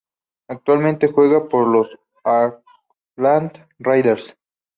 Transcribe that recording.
Actualmente, juega por los Oakland Raiders.